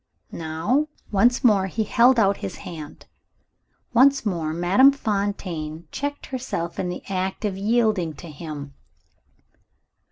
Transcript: Now?" Once more, he held out his hand. Once more Madame Fontaine checked herself in the act of yielding to him.